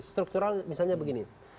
struktural misalnya begini